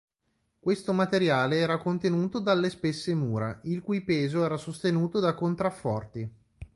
Questo materiale era contenuto dalle spesse mura, il cui peso era sostenuto da contrafforti.